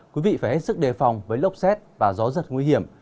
quý vị phải hết sức đề phòng với lốc xét và gió giật nguy hiểm